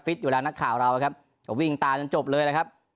อยู่แล้วนักข่าวเราครับก็วิ่งตามจนจบเลยนะครับ